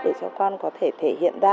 để cho con có thể thể hiện ra